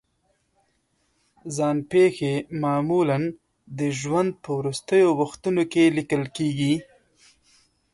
ځان پېښې معمولا د ژوند په وروستیو وختونو کې لیکل کېږي.